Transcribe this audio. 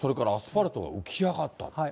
それからアスファルトが浮き上がった。